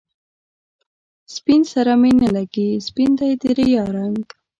سپين سره می نه لګي، سپین دی د ریا رنګ